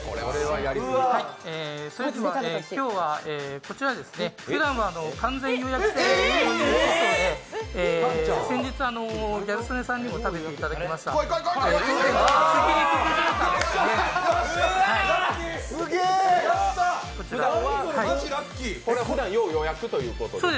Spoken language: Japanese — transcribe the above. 今日はこちら、ふだんは完全予約制ということで、先日、ギャル曽根さんにも食べていただきました特上厚切りタン塩ですね。